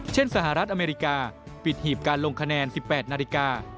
สหรัฐอเมริกาปิดหีบการลงคะแนน๑๘นาฬิกา